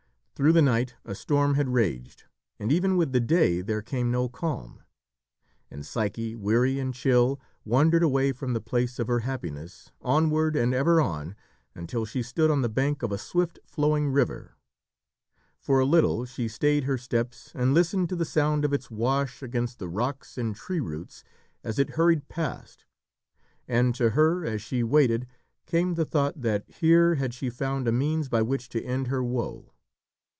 Through the night a storm had raged, and even with the day there came no calm. And Psyche, weary and chill, wandered away from the place of her happiness, onward and ever on, until she stood on the bank of a swift flowing river. For a little she stayed her steps and listened to the sound of its wash against the rocks and tree roots as it hurried past, and to her as she waited came the thought that here had she found a means by which to end her woe.